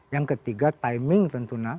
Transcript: yang ketiga timing tentu